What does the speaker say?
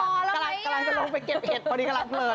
กำลังจะลงไปเก็บเห็ดพอดีกำลังเผลอ